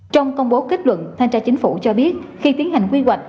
trong công bố kết luận thanh tra chính phủ cho biết khi tiến hành quy hoạch